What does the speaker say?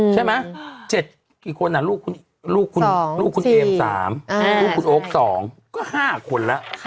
ใช่ไหม๗กี่คนลูกคุณเอม๓ลูกคุณโอ๊ค๒ก็๕คนแล้ว